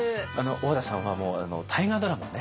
小和田さんはもう大河ドラマをね